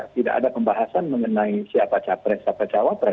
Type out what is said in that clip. tidak ada pembahasan mengenai siapa capres siapa cawapres